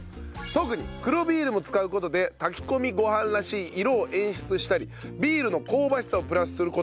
特に黒ビールも使う事で炊き込みご飯らしい色を演出したりビールの香ばしさをプラスする事ができる。